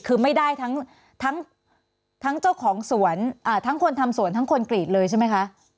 คือไม่ได้ทั้งเจ้าของสวนทั้งคนทำสวนทั้งคนกรีดเลยใช่ไหมคะ